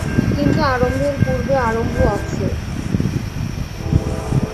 কিন্তু আরম্ভের পূর্বেও আরম্ভ আছে।